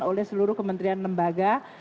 oleh seluruh kementerian lembaga